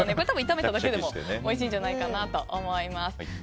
多分、炒めただけでもおいしいんじゃないかと思います。